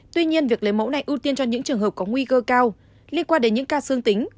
tuy nhiên việc lấy mẫu này ưu tiên cho những trường hợp có nguy cơ cao liên quan đến những ca dương tính